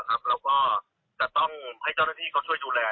แล้วก็เจ้าหน้าที่เค้าช่วยดูแล